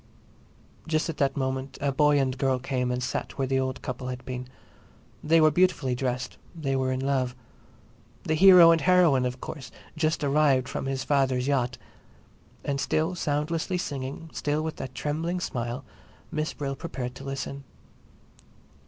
Just at that moment a boy and girl came and sat down where the old couple had been. They were beautifully dressed; they were in love. The hero and heroine, of course, just arrived from his father's yacht. And still soundlessly singing, still with that trembling smile, Miss Brill prepared to listen.